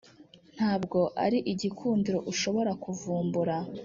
ntabwo ari igikundiro ushobora kuvumbura!